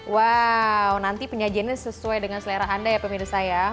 wow nanti penyajiannya sesuai dengan selera anda ya pemirsa ya